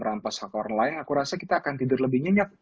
aku rasa kita akan tidur lebih nyenyak